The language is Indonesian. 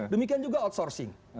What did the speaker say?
demikian juga outsourcing